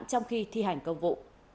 trong khi thi hành công vụ